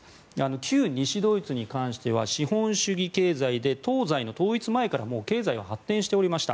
旧西ドイツに関しては資本主義経済で東西の統一前から経済は発展しておりました。